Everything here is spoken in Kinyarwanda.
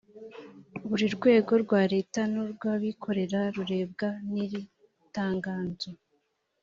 buri rwego rwa leta n urw abikorera rurebwa niri tanganzo